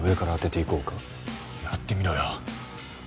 やってみろよ。